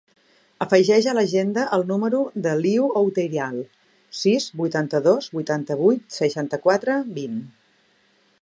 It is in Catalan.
Afegeix a l'agenda el número de l'Iu Outeiral: sis, vuitanta-dos, vuitanta-vuit, seixanta-quatre, vint.